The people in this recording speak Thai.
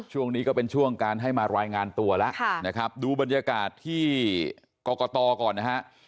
ช่วงนี้ก็เป็นช่วงการให้มารายงานตัวแล้วนะครับดูบรรยากาศที่กรกตก่อนนะฮะ